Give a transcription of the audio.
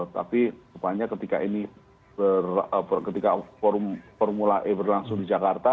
tapi rupanya ketika ini ketika formula e berlangsung di jakarta